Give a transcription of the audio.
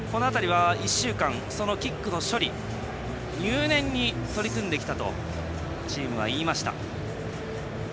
１週間キックの処理入念に取り組んできたとチームは言いました。